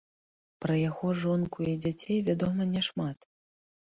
Пра яго жонку і дзяцей вядома няшмат.